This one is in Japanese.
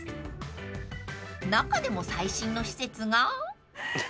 ［中でも最新の施設が］